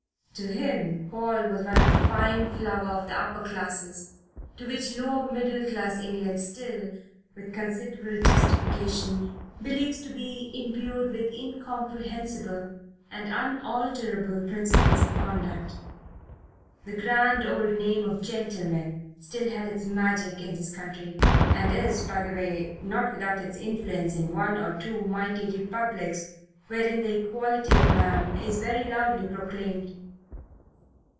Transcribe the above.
To him Paul was one of the fine flower of the Upper Classes to which lower middle class England still, with considerable justification, believes to be imbued with incomprehensible and unalterable principles of conduct. The grand old name of gentleman still has its magic in this country and is, by the way, not without its influence in one or two mighty republics wherein the equality of man is very loudly proclaimed.